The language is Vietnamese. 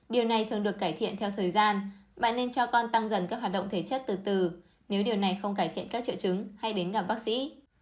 điều này thường được cải thiện theo thời gian bạn nên cho con tăng dần các hoạt động thể chất từ từ nếu điều này không cải thiện các triệu chứng hay đến gặp bác sĩ